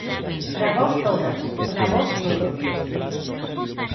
Para vós todas, para vós todos.